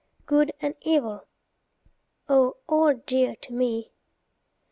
Good and evil! O all dear to me!